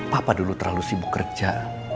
papa dulu terlalu sibuk kerja